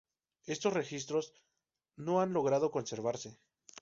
Estos registros no han logrado conservarse.